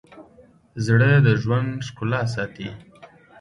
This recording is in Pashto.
زړه د ژوند ښکلا ساتي.